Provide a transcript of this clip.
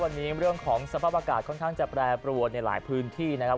วันนี้เรื่องของสภาพอากาศค่อนข้างจะแปรปรวนในหลายพื้นที่นะครับ